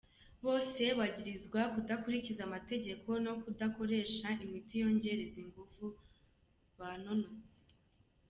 Bose bagirizwa kudakurikiza amategeko yo kudakoresha imiti yongereza inguvu ku banonotsi.